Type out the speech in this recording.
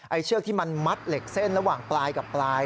เชือกที่มันมัดเหล็กเส้นระหว่างปลายกับปลาย